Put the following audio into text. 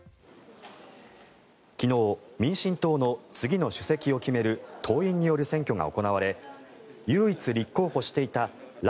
昨日、民進党の次の主席を決める党員による選挙が行われ唯一、立候補していた頼